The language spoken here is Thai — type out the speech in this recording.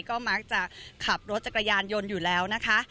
ก็มักจะขับรถจักรยานยนต์อยู่แล้วนะคะ